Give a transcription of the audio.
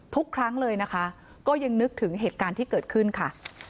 ทุกครั้งเลยนะคะก็ยังนึกถึงเหตุการณ์ที่เกิดขึ้นค่ะ